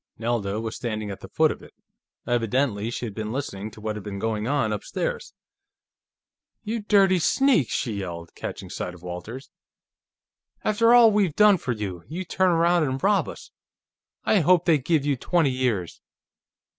Nelda was standing at the foot of it. Evidently she had been listening to what had been going on upstairs. "You dirty sneak!" she yelled, catching sight of Walters. "After all we've done for you, you turn around and rob us! I hope they give you twenty years!"